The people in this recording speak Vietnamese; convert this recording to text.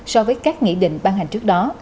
so với các nghị định ban hành trước đó